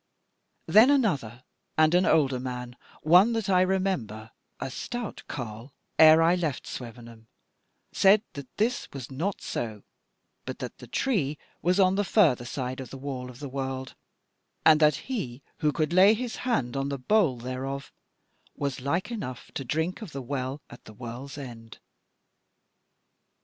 Then another and an older man, one that I remember a stout carle ere I left Swevenham, said that this was not so, but that the Tree was on the further side of the Wall of the World, and that he who could lay his hand on the bole thereof was like enough to drink of the Well at the World's End.